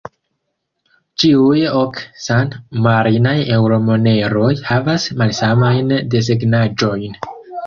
Ĉiuj ok san-marinaj eŭro-moneroj havas malsamajn desegnaĵojn.